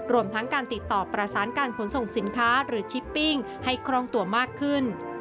รวมทั้งการติดต่อประสานการขนส่งสินค้าหรือชิปปิ้งให้คล่องตัวมากขึ้น